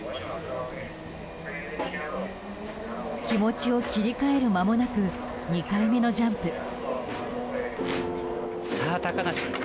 気持ちを切り替える間もなく２回目のジャンプ。